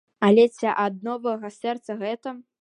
Але ці ад новага сэрца гэта?